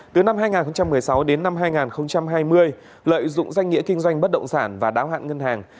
từ năm hai nghìn một mươi sáu đến năm hai nghìn hai mươi lợi dụng danh nghĩa kinh doanh bất động sản và đáo hạn ngân hàng